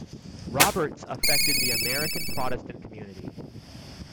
Roberts affected the American Protestant community.